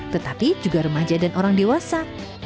tetapi juga remaja dan orang dewasa